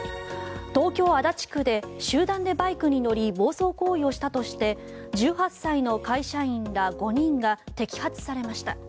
東京・足立区で集団でバイクに乗り暴走行為をしたとして１８歳の会社員ら５人が摘発されました。